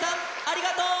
ありがとう！